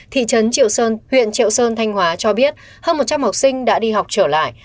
thị trấn triệu sơn huyện triệu sơn thanh hóa cho biết hơn một trăm linh học sinh đã đi học trở lại